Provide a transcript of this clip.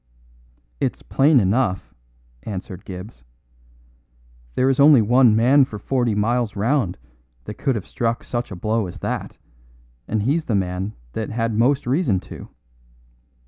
"It's plain enough," answered Gibbs. "There is only one man for forty miles round that could have struck such a blow as that, and he's the man that had most reason to."